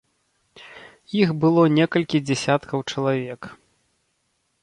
Іх было некалькі дзясяткаў чалавек.